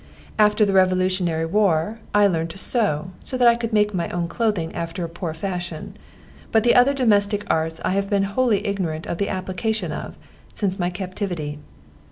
After the revolutionary war, I learned to sew, so that I could make my own clothing after a poor fashion; but the other domestic arts I have been wholly ignorant of the application of, since my captivity.